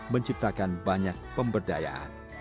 menciptakan banyak pemberdayaan